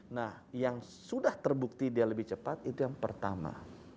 nah yang sudah terbukti dia lebih cepat itu yang pertama